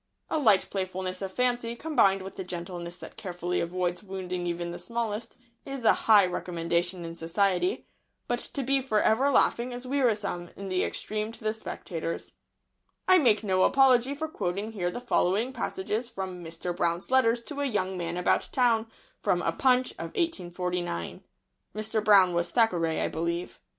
A light playfulness of fancy, combined with the gentleness that carefully avoids wounding even the smallest, is a high recommendation in society; but to be for ever laughing is wearisome in the extreme to the spectators. I make no apology for quoting here the following passages from "Mr. Brown's Letters to a Young Man About Town" from a Punch of 1849. "Mr. Brown" was Thackeray, I believe. [Sidenote: "Mr. Brown's" advice.